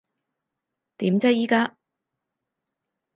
點啫依家？